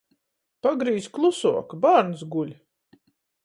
Pagrīz klusuok — bārns guļ!